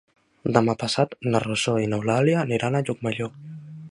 Demà passat na Rosó i n'Eulàlia aniran a Llucmajor.